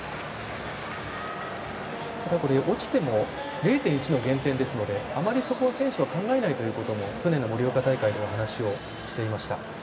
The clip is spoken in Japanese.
ただ、これ落ちても０．１の減点ですのであまりそこは選手も考えないということも去年の盛岡大会では話をしていました。